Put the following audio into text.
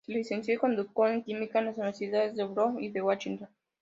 Se licenció y doctoró en química en las Universidades de Brown y de Washington.